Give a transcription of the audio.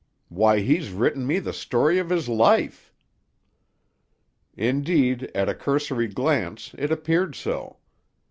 "Why, he's written me the story of his life!" Indeed, at a cursory glance, it appeared so.